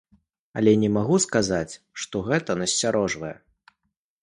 Але не магу сказаць, што гэта насцярожвае.